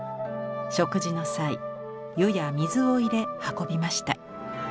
食事の際湯や水を入れ運びました。